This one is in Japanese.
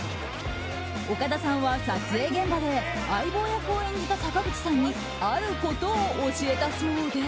岡田さんは撮影現場で相棒役を演じた坂口さんにあることを教えたそうで。